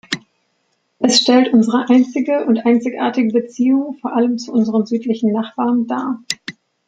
Es stellt unsere einzige und einzigartige Beziehung, vor allem zu unseren südlichen Nachbarn, dar.